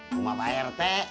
rumah pak rt